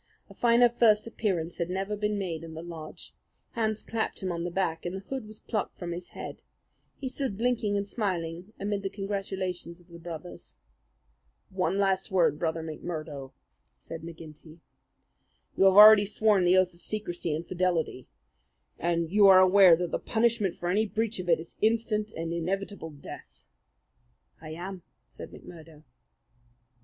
A finer first appearance had never been made in the lodge. Hands clapped him on the back, and the hood was plucked from his head. He stood blinking and smiling amid the congratulations of the brothers. "One last word, Brother McMurdo," said McGinty. "You have already sworn the oath of secrecy and fidelity, and you are aware that the punishment for any breach of it is instant and inevitable death?" "I am," said McMurdo.